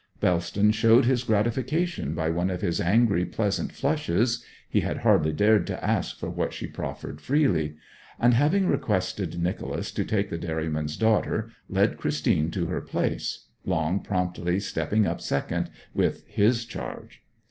Bellston showed his gratification by one of his angry pleasant flushes he had hardly dared to ask for what she proffered freely; and having requested Nicholas to take the dairyman's daughter, led Christine to her place, Long promptly stepping up second with his charge.